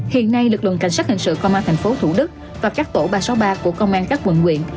hiện nay lực lượng cảnh sát hình sự công an thành phố thủ đức và các tổ ba trăm sáu mươi ba của công an các quận quyện